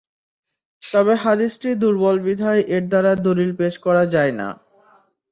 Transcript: তবে হাদীসটি দুর্বল বিধায় এর দ্বারা দলীল পেশ করা যায় না।